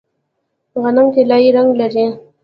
غنم طلایی رنګ لري.